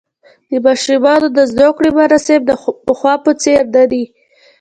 د ماشومانو د زوکړې مراسم د پخوا په څېر نه دي.